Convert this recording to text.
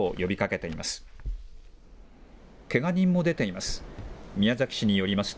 けが人も出ています。